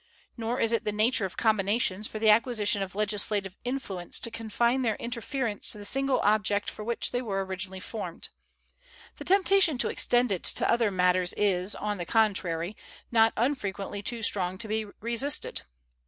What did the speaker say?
Nor is it the nature of combinations for the acquisition of legislative influence to confine their interference to the single object for which they were originally formed. The temptation to extend it to other matters is, on the contrary, not unfrequently too strong to be resisted.